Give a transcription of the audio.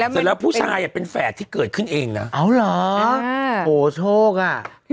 เสร็จแล้วผู้ชายอ่ะเป็นแฝดที่เกิดขึ้นเองนะเอาเหรอโหโชคอ่ะ